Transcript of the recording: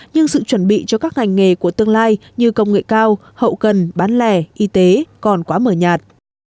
nhưng sự chuẩn bị cho các ngành nghề của tương lai như công nghệ cao hậu cần bán lẻ y tế còn quá mờ nhạt